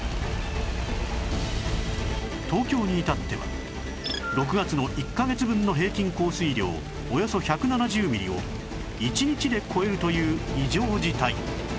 東京に至っては６月の１カ月分の平均降水量およそ１７０ミリを１日で超えるという異常事態